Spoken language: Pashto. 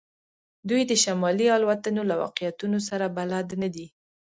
دوی د شمالي الوتنو له واقعیتونو سره بلد نه دي